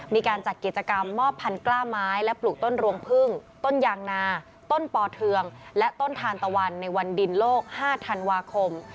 มีการจัดกิจกรรมมอบพันกล้าไม้และปลูกต้นรวงพึ่งต้นยางนาต้นปอเทืองและต้นทานตะวันในวันดินโลก๕ธันวาคม